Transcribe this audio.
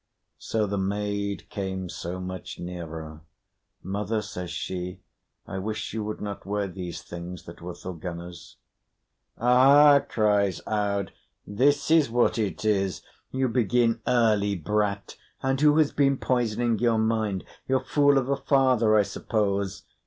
So the maid came so much nearer, "Mother," says she, "I wish you would not wear these things that were Thorgunna's." "Aha," cries Aud. "This is what it is? You begin early, brat! And who has been poisoning your mind? Your fool of a father, I suppose."